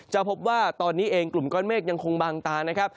จะพบว่าตอนนี้เองกลุ่มก้อนเมฆยังคงบางตานะครับ